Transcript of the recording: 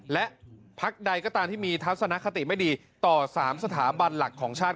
และพักใดก็ตามที่มีทัศนคติไม่ดีต่อ๓สถาบันหลักของชาติ